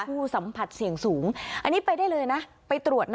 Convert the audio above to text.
ผู้สัมผัสเสี่ยงสูงอันนี้ไปได้เลยนะไปตรวจนะ